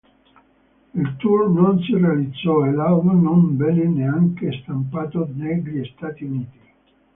Il tour non si realizzò e l'album non venne neanche stampato negli Stati Uniti.